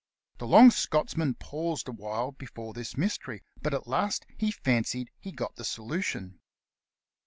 The long Scotchman paused awhile before this mystery, but at last he fancied he had got the solution.